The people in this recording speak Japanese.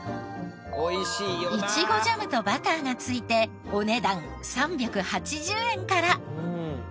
イチゴジャムとバターが付いてお値段３８０円から。